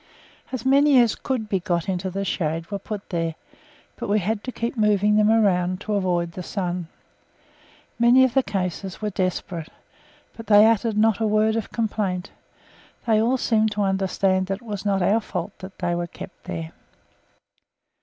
As many as could be got into the shade were put there, but we had to keep moving them round to avoid the sun. Many of the cases were desperate, but they uttered not a word of complaint they all seemed to understand that it was not our fault that they were kept here.